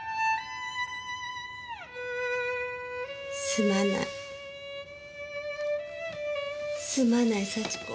「すまないすまない祥子」。